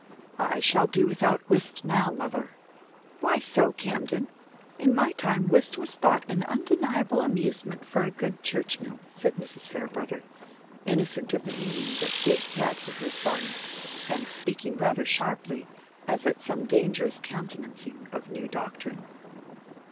"I shall do without whist now, mother." "Why so, Camden? In my time whist was thought an undeniable amusement for a good churchman," said Mrs. Farebrother, innocent of the meaning that whist had for her son, and speaking rather sharply, as at some dangerous countenancing of new doctrine.